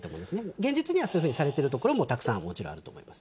現実にはそういうふうにされている所もたくさんもちろん、あると思います。